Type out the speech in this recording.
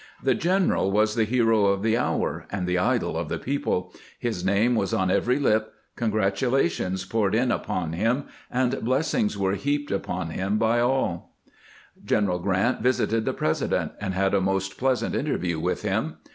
The general was the hero of the hour and the idol of the people ; his name was on every lip ; congratulations poured in upon him, and blessings were heaped upon him by all. grant's last interview with LINCOLN 497 General Grant visited the President, and had a most pleasant interview with him.